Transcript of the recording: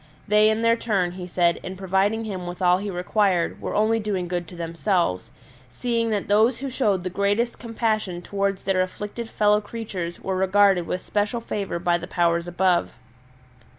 They in their turn, he said, in providing him with all he required were only doing good to themselves, seeing that those who showed the greatest compassion towards their afflicted fellow creatures were regarded with special favour by the Powers above.